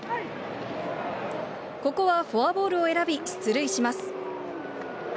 ここはフォアボールを選び出塁します。